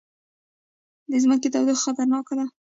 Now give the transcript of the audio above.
د ځمکې تودوخه خطرناکه ده